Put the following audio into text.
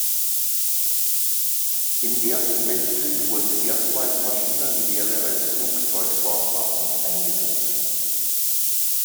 Im Ersten Weltkrieg wurden erstmals Maschinengewehre als Flugzeug-Bordwaffen eingesetzt.